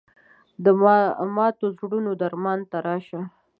د ماتو زړونو درمان ته راشه